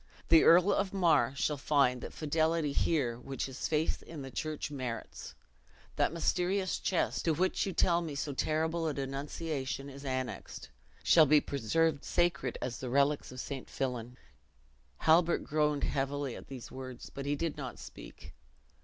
"The Earl of Mar shall find that fidelity here which his faith in the church merits. That mysterious chest, to which you tell me so terrible a denunciation is annexed, shall be preserved sacred as the relics of St. Fillan." Halbert groaned heavily at these words, but he did not speak.